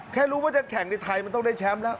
แค่รู้ว่าจะแข่งในไทยมันต้องได้แชมป์แล้ว